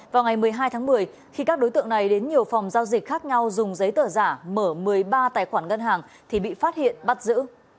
vào ngày một mươi hai tháng một mươi khi các đối tượng này đến nhiều phòng giao dịch khác nhau dùng giấy tờ giả mở một mươi ba tài khoản ngân hàng thì bị phát hiện bắt giữ